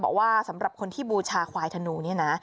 สำหรับคนที่บูชาควายธนูเนี่ยนะ